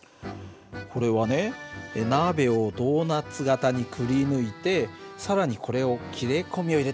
これはね鍋をドーナツ型にくりぬいて更にこれを切れ込みを入れたんだよ。